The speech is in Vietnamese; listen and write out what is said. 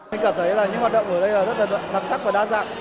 mình cảm thấy là những hoạt động ở đây rất là mặc sắc và đa dạng